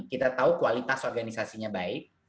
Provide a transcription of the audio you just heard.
kita tahu kualitas organisasinya baik